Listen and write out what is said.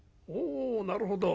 「おなるほど。